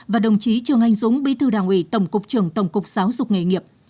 và đồng chí trường anh dũng bí thư đảng ủy tổng cục trưởng tổng cục giáo dục nghề nghiệp